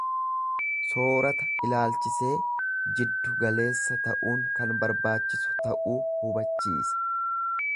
Soorata ilaalchisee jiddu galeessa ta'uun kan barbaachisu ta'uu hubachiisa.